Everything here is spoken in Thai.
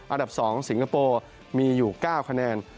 อันดับ๒สิงคโปร์มีอยู่๙คะแนน